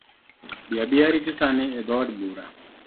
Bi abia ariti sani e dhood bura.